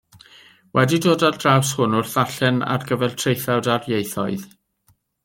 Wedi dod ar draws hwn wrth ddarllen ar gyfer traethawd ar ieithoedd.